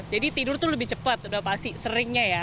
jadi tidur tuh lebih cepat udah pasti seringnya ya